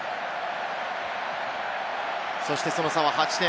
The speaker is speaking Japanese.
そして、その差は８点。